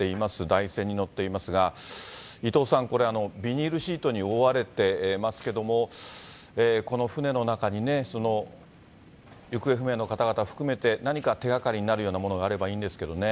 台船に載っていますが、伊藤さん、ビニールシートに覆われてますけれども、この船の中にね、行方不明の方々含めて、何か手がかりになるようなものがあればいいんですけどね。